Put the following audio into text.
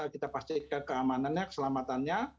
kita pastikan keamanannya keselamatannya